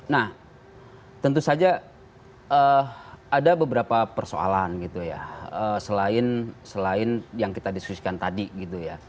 nah tentu saja ada beberapa persoalan gitu ya selain yang kita diskusikan tadi gitu ya